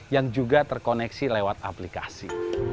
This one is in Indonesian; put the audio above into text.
yang juga terkoneksi lewat aplikasi